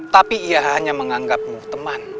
tapi ia hanya menganggapmu teman